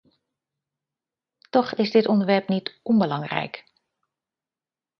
Toch is dit onderwerp niet onbelangrijk.